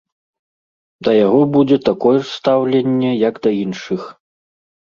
Да яго будзе такое ж стаўленне, як да іншых.